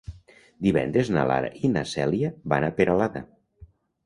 Divendres na Lara i na Cèlia van a Peralada.